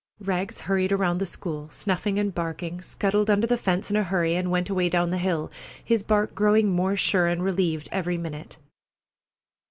Rags hurried around the school, snuffing and barking, scuttled under the fence in a hurry, and away down the hill, his bark growing more sure and relieved every minute.